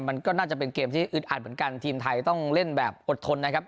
มันก็น่าจะเป็นเกมที่อึดอัดเหมือนกันทีมไทยต้องเล่นแบบอดทนนะครับ